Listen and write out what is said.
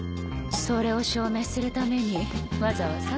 それを証明するためにわざわざ？